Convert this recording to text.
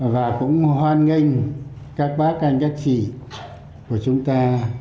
và cũng hoan nghênh các bác anh các chị của chúng ta